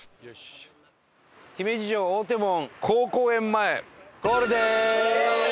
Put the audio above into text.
姫路城大手門・好古園前ゴールです！